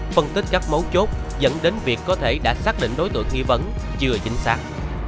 phân tích các mấu chốt dẫn đến việc có thể đã xác định đối tượng nghi vấn chưa chính xác